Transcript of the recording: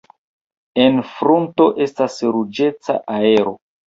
En frunto estas ruĝeca areo.